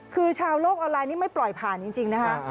คือชาวโลกออนไลน์นี่ไม่ปล่อยผ่านจริงนะคะ